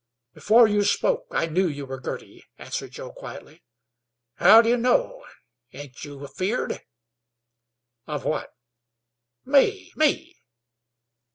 "Before you spoke I knew you were Girty," answered Joe quietly. "How d'you know? Ain't you afeared?" "Of what?" "Me me?"